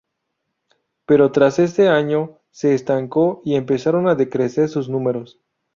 Pero tras este año se estancó y empezaron a decrecer sus números.